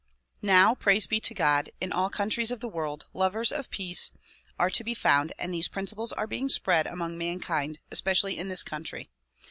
Now, Praise be to God ! in all countries of the world, lovers of peace are to be found and these principles are being spread among mankind, especially in this country.